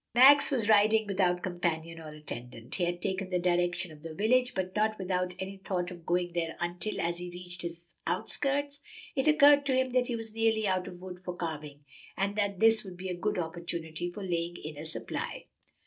Max was riding without companion or attendant. He had taken the direction of the village, but not with any thought of going there until, as he reached its outskirts, it occurred to him that he was nearly out of wood for carving, and that this would be a good opportunity for laying in a supply.